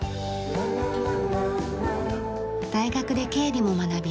大学で経理も学び